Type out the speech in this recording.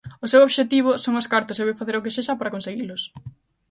O seu obxectivo son os cartos e vai facer o que sexa para conseguilos.